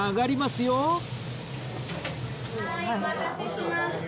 お待たせしました。